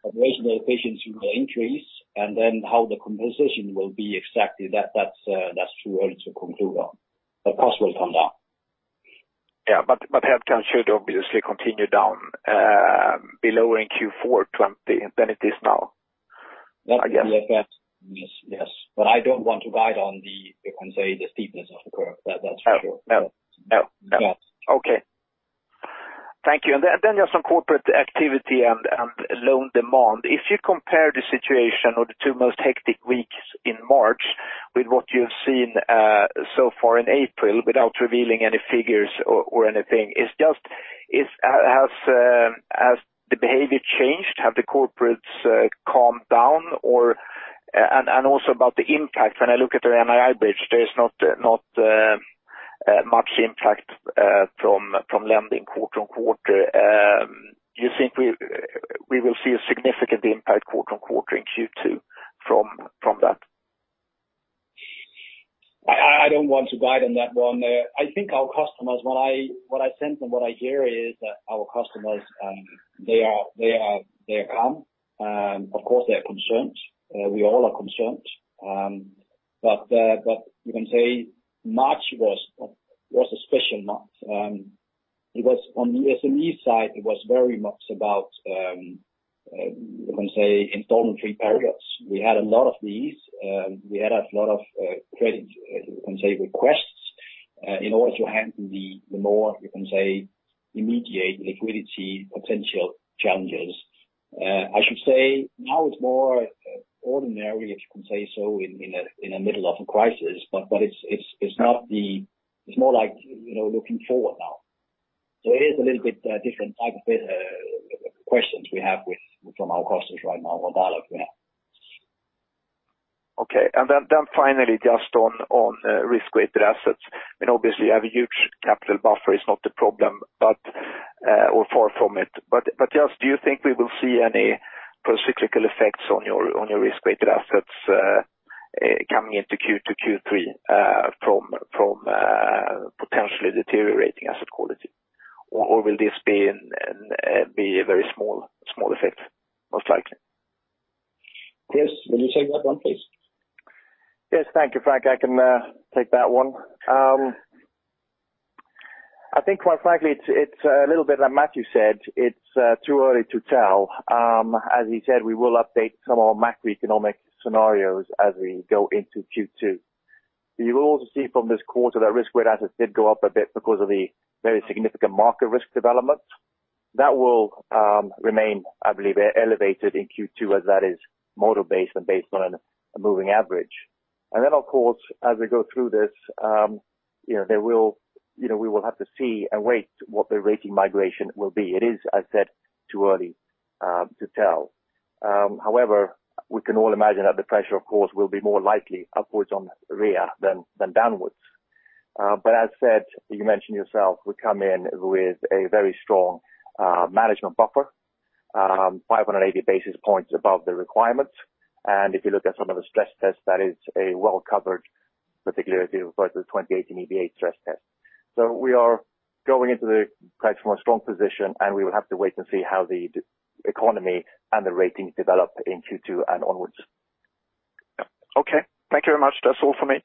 Speaker 2: Operational efficiency will increase, and then how the composition will be exactly, that's too early to conclude on. The cost will come down.
Speaker 7: Yeah. Headcount should obviously continue down below in Q4 than it is now, I guess.
Speaker 2: Yes. I don't want to ride on the, you can say, the steepness of the curve. That's for sure.
Speaker 7: No.
Speaker 2: Yes.
Speaker 7: Okay. Thank you. Just on corporate activity and loan demand, if you compare the situation or the two most hectic weeks in March with what you've seen so far in April without revealing any figures or anything, has the behavior changed? Have the corporates calmed down? Also about the impact, when I look at the NII bridge, there's not much impact from lending quarter-on-quarter. Do you think we will see a significant impact quarter-on-quarter in Q2 from that?
Speaker 2: I don't want to guide on that one. What I sense and what I hear is that our customers they are calm. Of course, they're concerned. We all are concerned. You can say March was a special month. On the SME side, it was very much about, you can say installment free periods. We had a lot of these. We had a lot of credit, you can say, requests in order to handle the more, you can say, immediate liquidity potential challenges. I should say now it's more ordinary, if you can say so, in the middle of a crisis, but it's more like looking forward now. It is a little bit different type of questions we have from our customers right now or dialogue we have.
Speaker 7: Okay. Finally, just on risk-weighted assets, obviously you have a huge capital buffer, it's not the problem, or far from it. Just do you think we will see any procyclical effects on your risk-weighted assets coming into Q2, Q3 from potentially deteriorating asset quality? Will this be a very small effect, most likely?
Speaker 2: Chris. Will you take that one, please?
Speaker 8: Yes. Thank you, Frank. I can take that one. I think quite frankly, it's a little bit like Matthew said, it's too early to tell. As he said, we will update some of our macroeconomic scenarios as we go into Q2. You will also see from this quarter that risk-weighted assets did go up a bit because of the very significant market risk developments. That will remain, I believe, elevated in Q2 as that is model based and based on a moving average. Of course, as we go through this, we will have to see and wait what the rating migration will be. It is, as said, too early to tell. However, we can all imagine that the pressure, of course, will be more likely upwards on REA than downwards. As said, you mentioned yourself, we come in with a very strong management buffer, 580 basis points above the requirements. If you look at some of the stress tests, that is a well-covered, particularly if you refer to the 2018 EBA stress test. We are going into the platform a strong position, and we will have to wait and see how the economy and the ratings develop in Q2 and onwards.
Speaker 7: Okay. Thank you very much. That's all for me.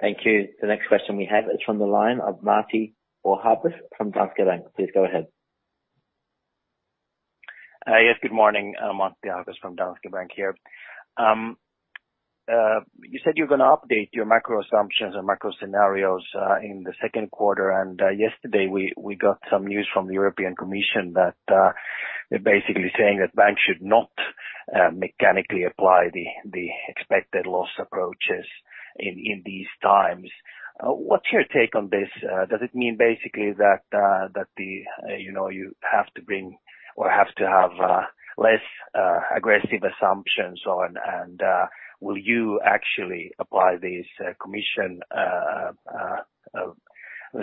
Speaker 3: Thank you. The next question we have is from the line of Matti Ahokas from Danske Bank. Please go ahead.
Speaker 9: Yes, good morning. Matti Ahokas from Danske Bank here. You said you're going to update your macro assumptions and macro scenarios in the second quarter. Yesterday we got some news from the European Commission that they're basically saying that banks should not mechanically apply the expected loss approaches in these times. What's your take on this? Does it mean basically that you have to bring or have to have less aggressive assumptions on, and will you actually apply these commission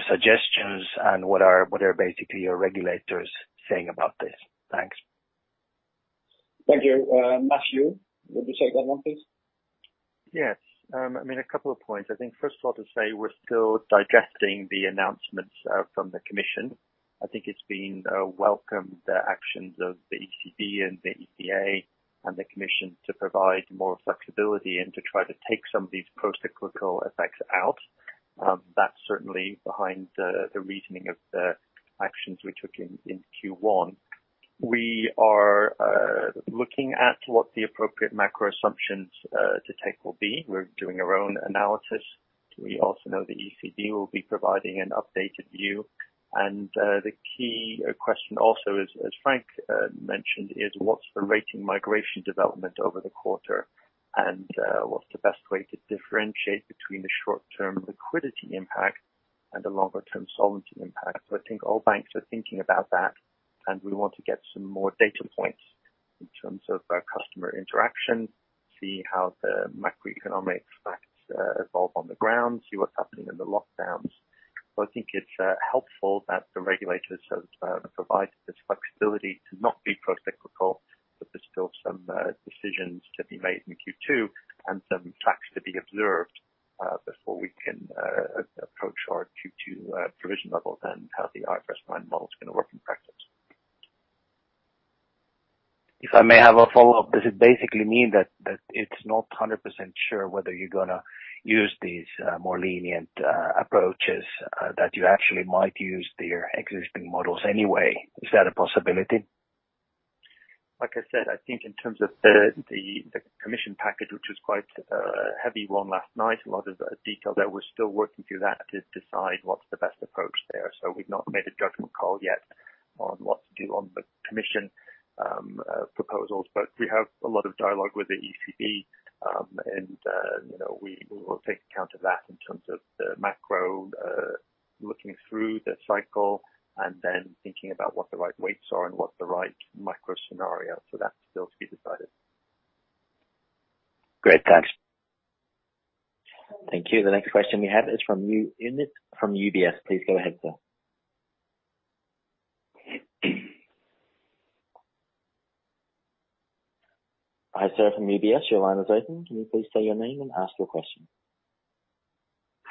Speaker 9: suggestions, and what are basically your regulators saying about this? Thanks.
Speaker 2: Thank you. Matthew, would you take that one, please?
Speaker 5: Yes. A couple of points. I think first of all, to say we're still digesting the announcements from the commission. I think it's been welcomed, the actions of the ECB and the EBA and the commission to provide more flexibility and to try to take some of these procyclical effects out. That's certainly behind the reasoning of the actions we took in Q1. We are looking at what the appropriate macro assumptions to take will be. We're doing our own analysis. We also know the ECB will be providing an updated view, the key question also, as Frank mentioned, is what's the rating migration development over the quarter, and what's the best way to differentiate between the short-term liquidity impact and the longer-term solvency impact. I think all banks are thinking about that, and we want to get some more data points in terms of our customer interaction, see how the macroeconomic facts evolve on the ground, see what's happening in the lockdowns. I think it's helpful that the regulators have provided this flexibility to not be procyclical, but there's still some decisions to be made in Q2 and some facts to be observed before we can approach our Q2 provision levels and how the IFRS 9 model is going to work in practice.
Speaker 9: If I may have a follow-up, does it basically mean that it's not 100% sure whether you're going to use these more lenient approaches, that you actually might use their existing models anyway? Is that a possibility?
Speaker 5: Like I said, I think in terms of the commission package, which was quite a heavy one last night, a lot of detail there, we're still working through that to decide what's the best approach there. We've not made a judgment call yet on what to do on the commission proposals. We have a lot of dialogue with the ECB, and we will take account of that in terms of the macro, looking through the cycle and then thinking about what the right weights are and what the right micro scenario. That's still to be decided.
Speaker 9: Great. Thanks.
Speaker 3: Thank you. The next question we have is from Johan from UBS. Please go ahead, sir. Hi, sir, from UBS, your line is open. Can you please say your name and ask your question?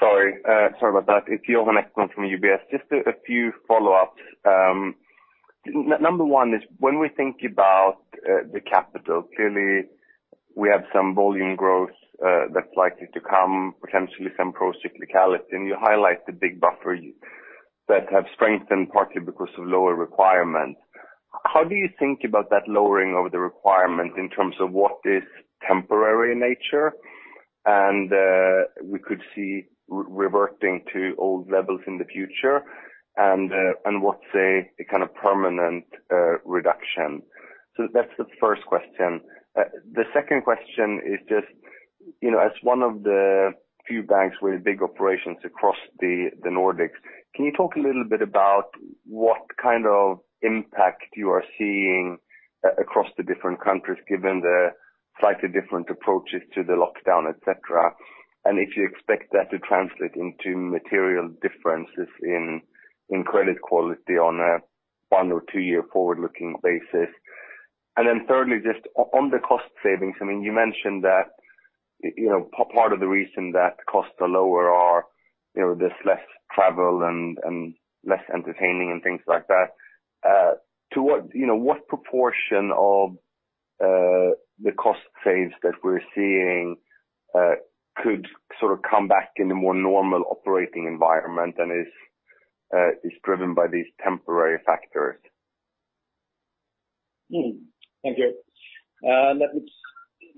Speaker 10: Sorry about that. It's Johan Ekblom from UBS. Just a few follow-ups. Number one is when we think about the capital, clearly we have some volume growth that's likely to come, potentially some procyclicality, and you highlight the big buffers that have strengthened partly because of lower requirements. How do you think about that lowering of the requirement in terms of what is temporary in nature, and we could see reverting to old levels in the future, and what's a kind of permanent reduction? That's the first question. The second question is just, as one of the few banks with big operations across the Nordics, can you talk a little bit about what kind of impact you are seeing across the different countries, given the slightly different approaches to the lockdown, et cetera? If you expect that to translate into material differences in credit quality on a one or two-year forward-looking basis. Thirdly, just on the cost savings, you mentioned that part of the reason that costs are lower are there's less travel and less entertaining and things like that. What proportion of the cost saves that we're seeing could sort of come back in a more normal operating environment and is driven by these temporary factors?
Speaker 2: Thank you.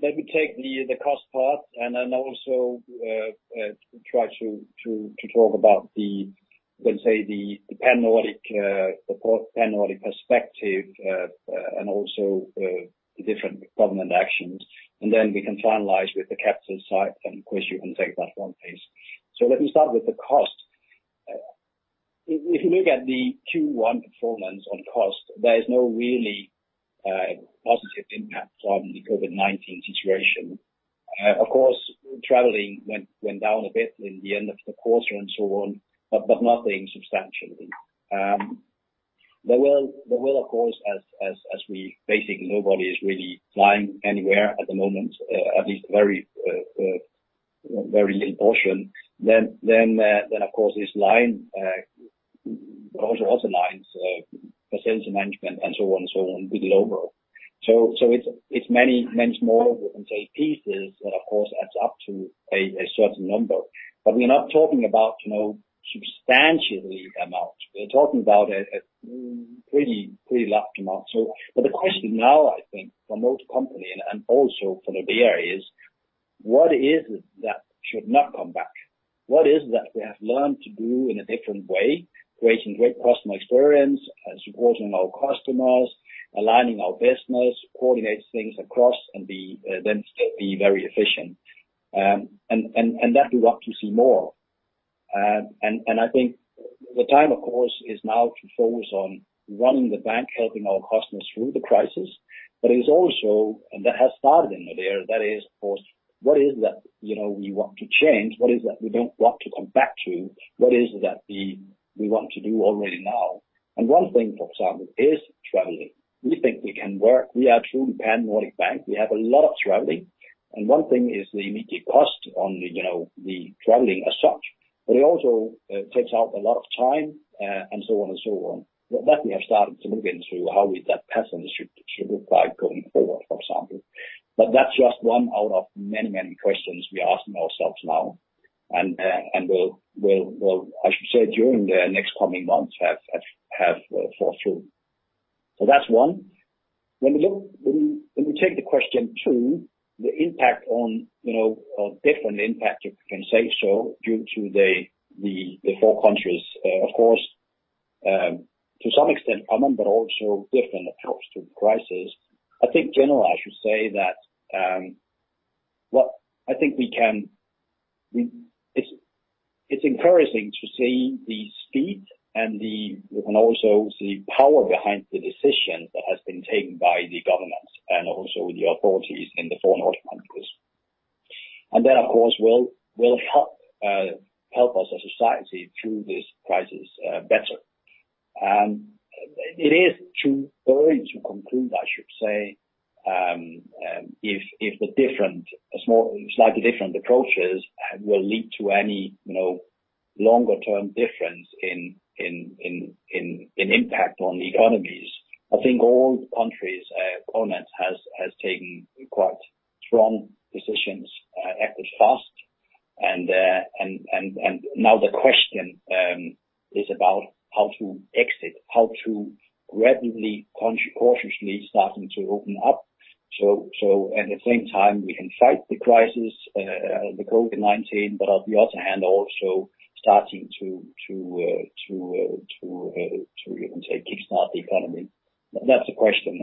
Speaker 2: Let me take the cost part and then also try to talk about the Pan-Nordic perspective and also the different government actions. Then we can finalize with the capital side. Of course, you can take that one, please. Let me start with the cost. If you look at the Q1 performance on cost, there is no really positive impact from the COVID-19 situation. Of course, traveling went down a bit in the end of the quarter and so on, but nothing substantially. There will, of course, as we basically nobody is really flying anywhere at the moment, at least very little portion, then of course, this line also aligns potential management and so on with global. It's many small, we can say, pieces that of course, adds up to a certain number. We're not talking about substantially amount. We're talking about a pretty large amount. The question now, I think, for most companies and also for the areas. What is it that should not come back? What is it that we have learned to do in a different way, creating great customer experience and supporting our customers, aligning our business, coordinate things across, and then still be very efficient? That we want to see more. I think the time, of course, is now to focus on running the bank, helping our customers through the crisis. It is also, and that has started in Nordea, that is, of course, what is it that we want to change? What is it that we don't want to come back to? What is it that we want to do already now? One thing, for example, is traveling. We are truly a pan-Nordic bank. We have a lot of traveling. One thing is the immediate cost on the traveling as such, it also takes up a lot of time, and so on and so on. We have started to move into how that pattern should look like going forward, for example. That's just one out of many questions we are asking ourselves now, and will, I should say, during the next coming months have follow through. That's one. We take the question two, the different impact, if we can say so, due to the four countries, of course, to some extent common, but also different approaches to the crisis. I think general, I should say that it's encouraging to see the speed and we can also see power behind the decision that has been taken by the governments and also the authorities in the four Nordic countries. That, of course, will help us as society through this crisis better. It is too early to conclude, I should say, if the slightly different approaches will lead to any longer-term difference in impact on the economies. I think all the countries' governments has taken quite strong decisions, acted fast. Now the question is about how to exit, how to gradually, cautiously starting to open up. At the same time, we can fight the crisis, the COVID-19, but on the other hand, also starting to, you can say, kickstart the economy. That's the question.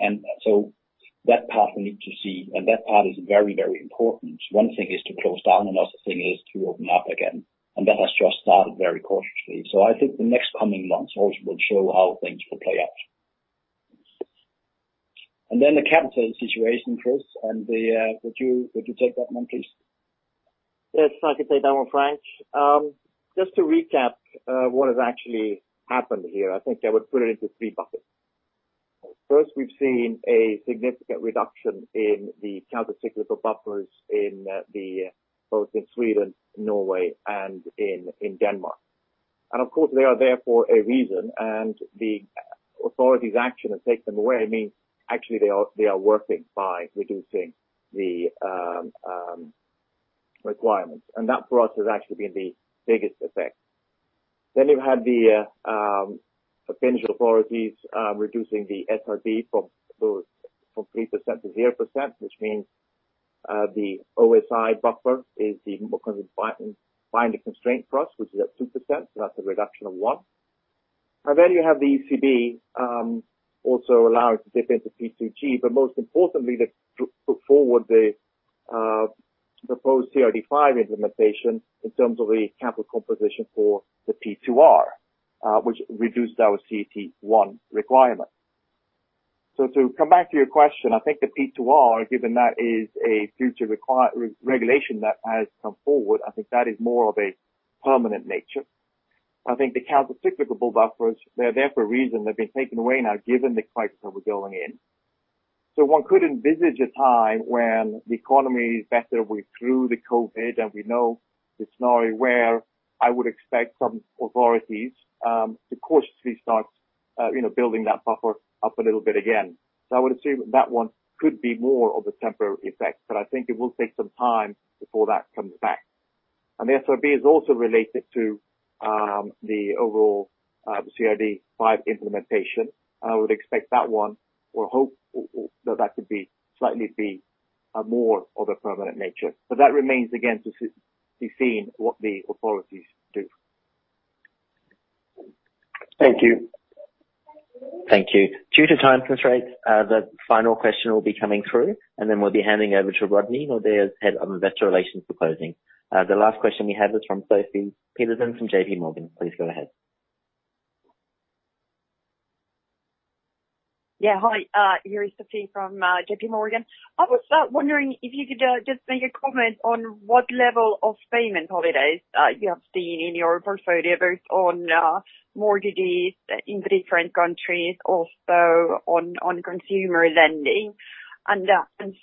Speaker 2: That part we need to see, and that part is very important. One thing is to close down, another thing is to open up again, and that has just started very cautiously. I think the next coming months also will show how things will play out. The capital situation, Chris, would you take that one, please?
Speaker 8: Yes, I could take that one, Frank. Just to recap what has actually happened here, I think I would put it into three buckets. First, we've seen a significant reduction in the countercyclical buffers both in Sweden, Norway, and in Denmark. Of course, they are there for a reason, and the authorities' action to take them away means actually they are working by reducing the requirements. That for us has actually been the biggest effect. You've had the Finnish authorities reducing the SRB from 3%-0%, which means the O-SII buffer becomes a binding constraint for us, which is at 2%, so that's a reduction of one. You have the ECB also allowing to dip into P2G, but most importantly, to put forward the proposed CRD V implementation in terms of the capital composition for the P2R which reduced our CET1 requirement. To come back to your question, I think the P2R, given that is a future regulation that has come forward, I think that is more of a permanent nature. I think the countercyclical buffers, they're there for a reason. They've been taken away now given the crisis that we're going in. One could envisage a time when the economy is better, we're through the COVID, and we know the scenario where I would expect some authorities to cautiously start building that buffer up a little bit again. I would assume that one could be more of a temporary effect, but I think it will take some time before that comes back. The SRB is also related to the overall CRD V implementation. I would expect that one or hope that that could slightly be more of a permanent nature. That remains, again, to be seen what the authorities do.
Speaker 10: Thank you.
Speaker 3: Thank you. Due to time constraints, the final question will be coming through, and then we'll be handing over to Rodney, Nordea's Head of Investor Relations, for closing. The last question we have is from Sofie Peterzéns from JPMorgan. Please go ahead.
Speaker 11: Hi, you're Sofie from JPMorgan. I was wondering if you could just make a comment on what level of payment holidays you have seen in your portfolio, both on mortgages in the different countries, also on consumer lending. I'm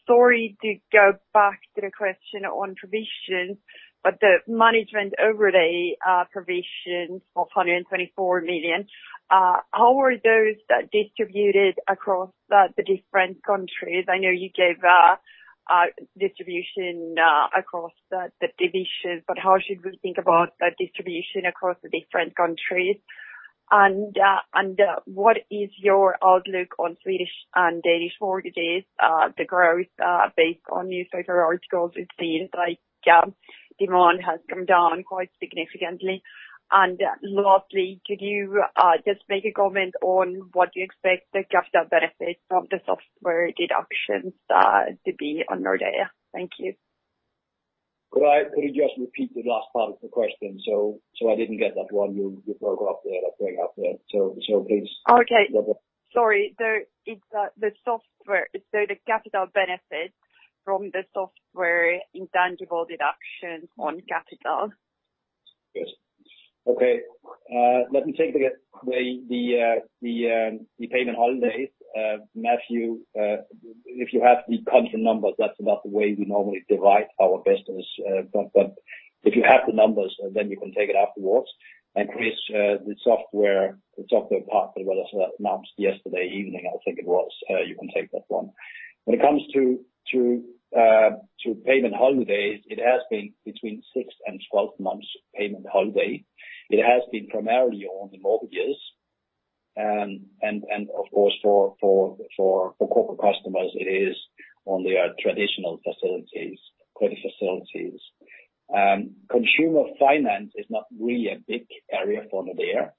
Speaker 11: sorry to go back to the question on provisions, but the management overlay provisions of 124 million, how were those distributed across the different countries? I know you gave a distribution across the divisions, but how should we think about that distribution across the different countries? What is your outlook on Swedish and Danish mortgages, the growth based on newspaper articles, it seems like demand has come down quite significantly. Lastly, could you just make a comment on what you expect the capital benefits of the software deductions to be on Nordea? Thank you.
Speaker 2: Could you just repeat the last part of the question? I didn't get that one. You broke up there, that came out there.
Speaker 11: Okay. Sorry. The capital benefits from the software intangible deduction on capital.
Speaker 2: Yes. Okay. Let me take the payment holidays. Matthew, if you have the country numbers, that's about the way we normally divide our business. If you have the numbers, then you can take it afterwards. Chris, the software part that was announced yesterday evening, I think it was, you can take that one. When it comes to payment holidays, it has been between six and 12 months payment holiday. It has been primarily on the mortgages. Of course for corporate customers, it is on their traditional facilities, credit facilities. Consumer finance is not really a big area for Nordea.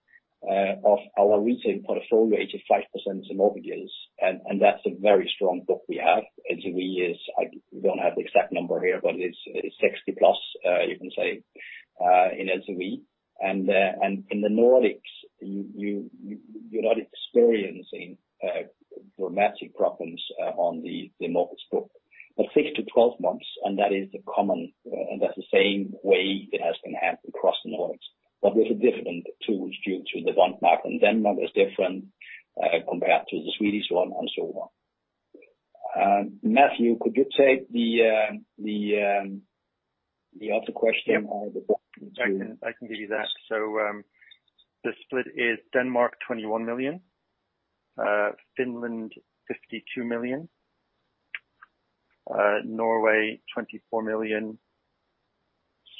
Speaker 2: Of our retail portfolio, it is 5% in mortgages, and that's a very strong book we have. LTV is, I don't have the exact number here, but it's 60+, you can say, in LTV. In the Nordics, you're not experiencing dramatic problems on the mortgage book. 6-12 months, that's the same way it has been across the Nordics. With different tools due to the one bank, one is different compared to the Swedish one and so on. Matthew, could you take the other question on the book too?
Speaker 5: I can give you that. The split is Denmark, 21 million. Finland, 52 million. Norway, 24 million.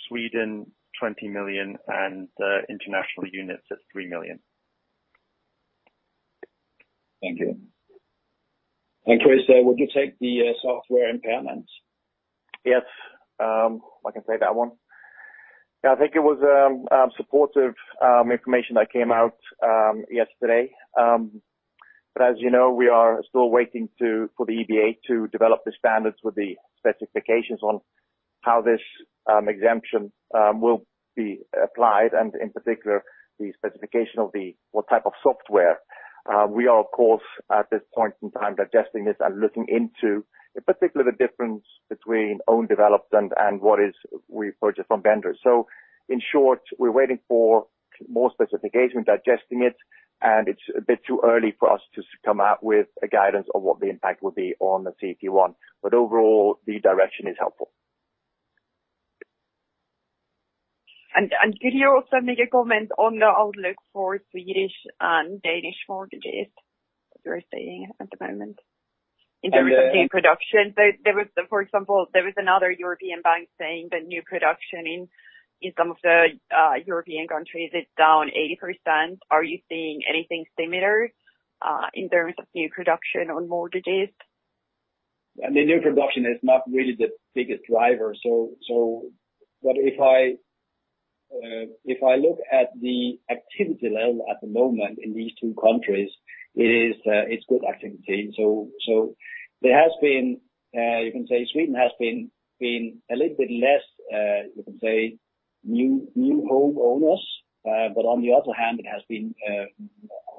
Speaker 5: Sweden, 20 million. The international unit is three million.
Speaker 2: Thank you. Chris, would you take the software impairment?
Speaker 8: Yes. I can take that one. I think it was supportive information that came out yesterday. As you know, we are still waiting for the EBA to develop the standards with the specifications on how this exemption will be applied, and in particular, the specification of what type of software. We are, of course, at this point in time, digesting this and looking into, in particular, the difference between own development and what we purchase from vendors. In short, we're waiting for more specification, digesting it, and it's a bit too early for us to come out with a guidance on what the impact will be on the CET1. Overall, the direction is helpful.
Speaker 11: Could you also make a comment on the outlook for Swedish and Danish mortgages that you are seeing at the moment in terms of new production? For example, there is another European bank saying that new production in some of the European countries is down 80%. Are you seeing anything similar in terms of new production on mortgages?
Speaker 2: The new production is not really the biggest driver. If I look at the activity level at the moment in these two countries, it's good activity. You can say Sweden has been a little bit less new homeowners. On the other hand, it has been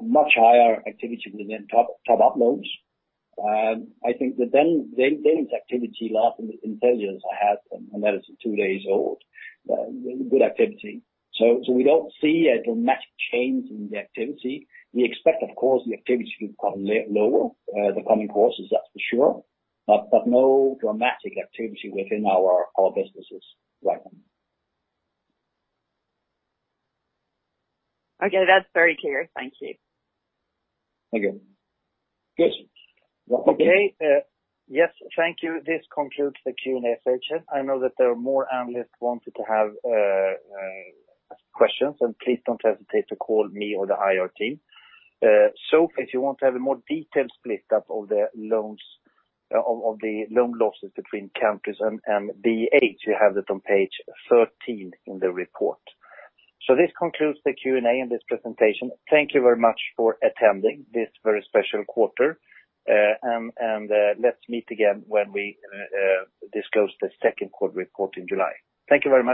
Speaker 2: much higher activity within top-up loans. I think the Danish activity, last intelligence I had, and that is two days old, good activity. We don't see a dramatic change in the activity. We expect, of course, the activity to become lower the coming quarters, that's for sure. No dramatic activity within our businesses right now.
Speaker 11: Okay, that's very clear. Thank you.
Speaker 2: Thank you. Rodney.
Speaker 1: Yes, thank you. This concludes the Q&A session. I know that there are more analysts who wanted to have questions. Please don't hesitate to call me or the IR team. If you want to have a more detailed split up of the loan losses between countries and BAs, you have that on page 13 in the report. This concludes the Q&A and this presentation. Thank you very much for attending this very special quarter. Let's meet again when we disclose the second quarter report in July. Thank you very much.